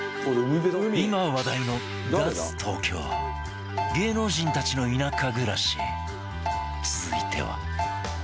今話題の芸能人たちの田舎暮らし続いては